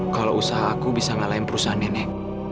kalau usaha aku bisa ngalahin perusahaan nenek